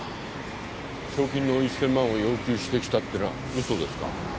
賞金の１，０００万を要求してきたってのは嘘ですか？